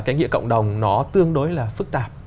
cái nghĩa cộng đồng nó tương đối là phức tạp